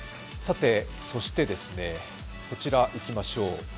そして、こちらに行きましょう。